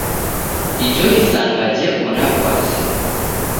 Ijo isanga jeko na w'asi.